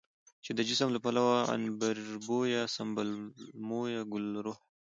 چې د جسم له پلوه عنبربويه، سنبل مويه، ګلرخه،